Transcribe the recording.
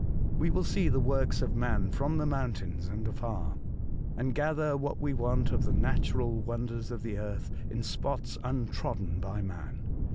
We will see the works of man from the mountains and afar, and gather what we want of the natural wonders of the earth in spots untrodden by man.